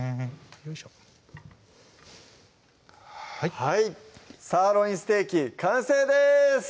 よいしょはい「サーロインステーキ」完成です